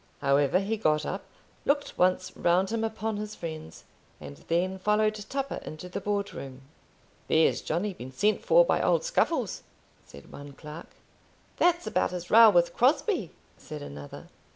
However, he got up, looked once around him upon his friends, and then followed Tupper into the Board room. "There's Johnny been sent for by old Scuffles," said one clerk. "That's about his row with Crosbie," said another.